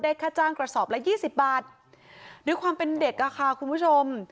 ค่าจ้างกระสอบละยี่สิบบาทด้วยความเป็นเด็กอะค่ะคุณผู้ชม